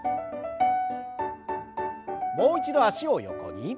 もう一度脚を横に。